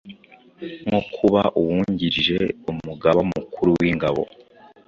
nko kuba Uwungirije Umugaba Mukuru w’Ingabo